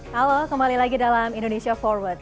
halo kembali lagi dalam indonesia forward